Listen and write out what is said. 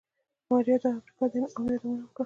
ماريا د امريکا د انعام يادونه وکړه.